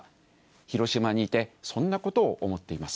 広島にいて、そんなことを思っています。